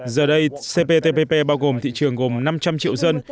giờ đây cptpp bao gồm thị trường gồm năm trăm linh triệu dân